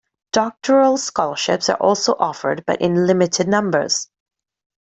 Doctoral scholarships are also offered but in limited numbers.